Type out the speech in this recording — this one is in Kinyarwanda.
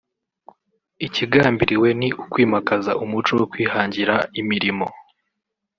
Ikigambiriwe ni ukwimakaza umuco wo kwihangira imirimo